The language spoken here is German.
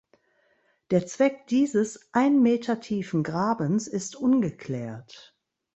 Der Zweck dieses ein Meter tiefen Grabens ist ungeklärt.